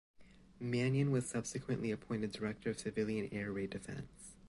Manion was subsequently appointed director of Civilian Air Raid Defence.